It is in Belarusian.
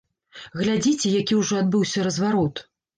Глядзіце, які ўжо адбыўся разварот!